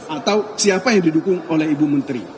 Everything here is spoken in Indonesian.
atau siapa yang didukung oleh ibu menteri